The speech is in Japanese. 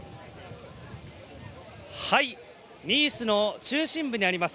ニースの中心部にあります